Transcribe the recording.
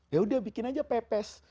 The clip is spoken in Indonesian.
yaudah bikin aja pepes